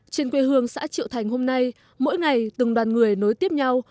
trên quê hương xã triệu thành hôm nay mỗi ngày từng đoàn người nối tiếp nhau